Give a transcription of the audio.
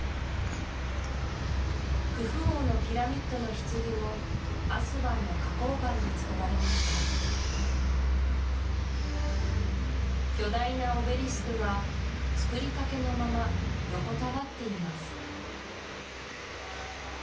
クフ王のピラミッドの棺もアスワンの花崗岩でつくられました巨大なオベリスクがつくりかけのまま横たわっています